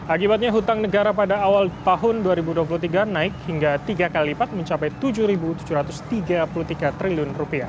akibatnya hutang negara pada awal tahun dua ribu dua puluh tiga naik hingga tiga kali lipat mencapai rp tujuh tujuh ratus tiga puluh tiga triliun